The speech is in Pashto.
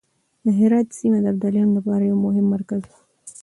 د هرات سيمه د ابدالیانو لپاره يو مهم مرکز و.